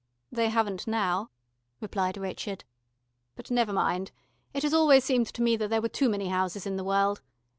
"They haven't now," replied Richard. "But never mind. It has always seemed to me that there were too many houses in the world.